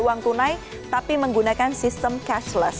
uang tunai tapi menggunakan sistem cashless